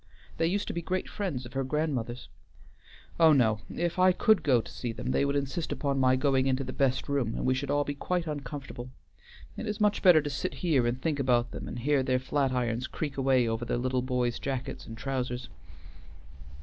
They used to be great friends of her grandmother's. Oh no; if I could go to see them they would insist upon my going into the best room, and we should all be quite uncomfortable. It is much better to sit here and think about them and hear their flat irons creak away over the little boys' jackets and trousers."